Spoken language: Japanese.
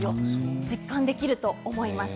実感できると思います。